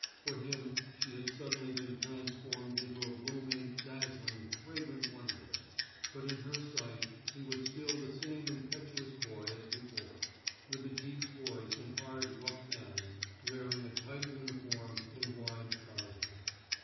For him she had suddenly been transformed into a blooming, dazzling, fragrant wonder, but in her sight he was still the same impetuous boy as before, with a deep voice and hard rough hands, wearing a tight uniform and wide trousers.